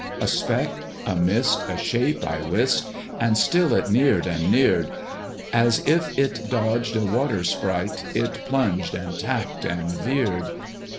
A speck, a mist, a shape, I wist! And still it neared and neared: As if it dodged a water sprite, It plunged and tacked and veered.